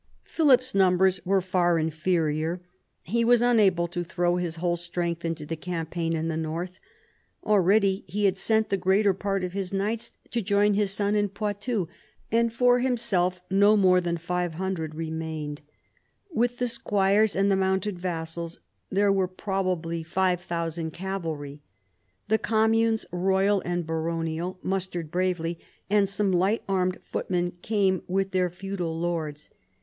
Philip's numbers were far inferior. He was unable to throw his whole strength into the campaign in the north. Already he had sent the greater part of his knights to join his son in Poitou, and for himself no more than 500 remained. With the squires and the mounted vassals there were probably 5000 cavalry. The communes, royal and baronial, mustered bravely, and some light armed foot men came with their feudal lords.